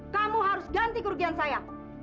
kamu harus ganti kerugian saya